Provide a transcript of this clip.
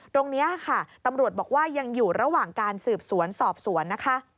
ตรงนี้ค่ะตำรวจบอกว่ายังอยู่ระหว่างการสืบสวนสอบสวนนะคะ